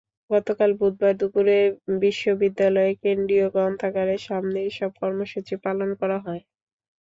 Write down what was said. গতকাল বুধবার দুপুরে বিশ্ববিদ্যালয়ের কেন্দ্রীয় গ্রন্থাগারের সামনে এসব কর্মসূচি পালন করা হয়।